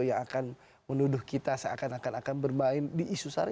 yang akan menuduh kita seakan akan akan bermain di isu sara